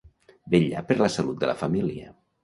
Vetllar per la salut de la família.